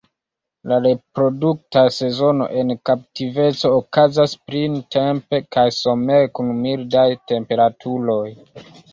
La reprodukta sezono en kaptiveco okazas printempe kaj somere kun mildaj temperaturoj.